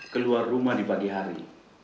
keluar rumah di pagi hari